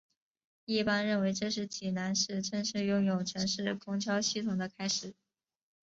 一般认为这是济南市正式拥有城市公交系统的开始。